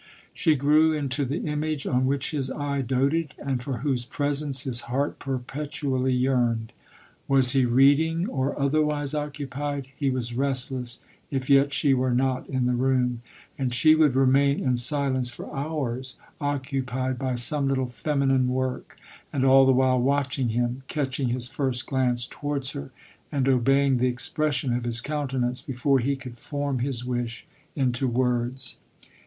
She grew into the image on which his eye doated, and for whose presence his heart perpetually yearned. Was he reading, or other wise occupied, he was restless, if yet she wen not in the room ; and she would remain in si lence for hours, occupied by some little feminine work, and all the while watching him, catching his first glance towards her, and obeying the expression of his countenance, before he could form his wish into words.